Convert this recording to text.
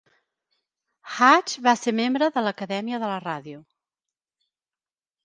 Hatch va ser membre de l'Acadèmia de la Ràdio.